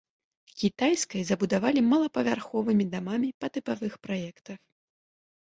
Кітайскай забудавалі малапавярховымі дамамі па тыпавых праектах.